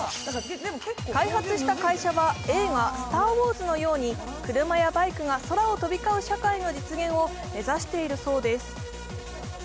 開発した会社は映画「スター・ウォーズ」のように車やバイクが空を飛び交う社会の実現を目指しているそうです。